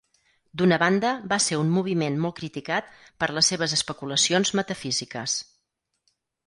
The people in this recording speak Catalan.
D'una banda, va ser un moviment molt criticat per les seves especulacions metafísiques.